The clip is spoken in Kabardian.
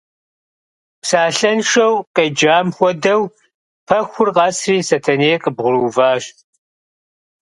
Псалъэншэу къеджам хуэдэу, пэхур къэсри Сэтэней къыбгъурыуващ.